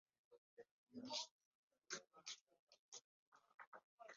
Tewali kyakulwanisa ekinaweesebwa ekinalaba omukisa